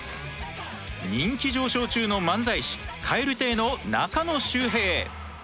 人気上昇中の漫才師蛙亭の中野周平。